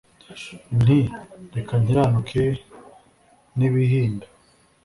nti " reka nkiranuke n ' ibihinda,